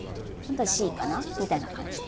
Ｃかなみたいな感じで。